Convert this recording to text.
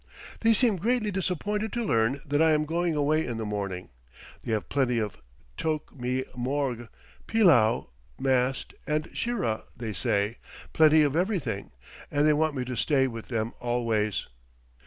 They seem greatly disappointed to learn that I am going away in the morning; they have plenty of toke me morge, pillau, mast, and sheerah, they say plenty of everything; and they want me to stay with them always.